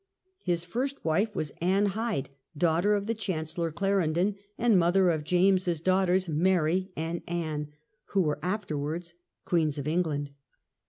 His first wife was Anne Hyde, daughter of the Chancellor Clarendon, and mother of James's daughters, Mary and Anne, who were afterwards Queens of England.